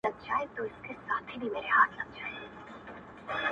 نور مي له سترگو څه خوبونه مړه سول ـ